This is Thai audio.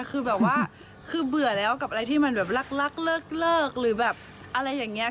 คือแบบว่าคือเบื่อแล้วกับอะไรที่มันแบบรักเลิกหรือแบบอะไรอย่างนี้